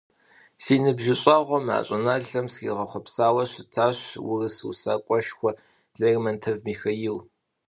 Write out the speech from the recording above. Си ныбжьыщӀэгъуэм а щӀыналъэм сригъэхъуэпсауэ щытащ урыс усакӀуэшхуэ Лермонтов Михаил.